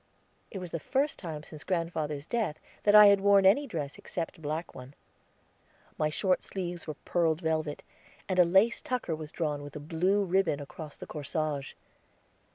It was the first time since grandfather's death that I had worn any dress except a black one. My short sleeves were purled velvet, and a lace tucker was drawn with a blue ribbon across the corsage.